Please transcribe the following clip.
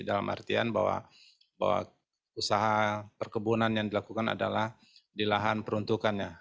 dalam artian bahwa usaha perkebunan yang dilakukan adalah di lahan peruntukannya